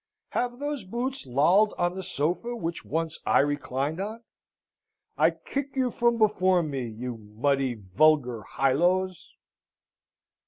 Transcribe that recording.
Have those boots lolled on the sofa which once I reclined on? I kick you from before me, you muddy, vulgar highlows!